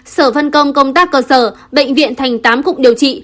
sở văn công công tác cơ sở bệnh viện thành tám cục điều trị